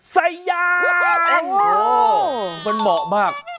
ใส่ย่างโอ้โฮมันเหมาะมาก